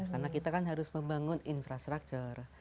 karena kita kan harus membangun infrastructure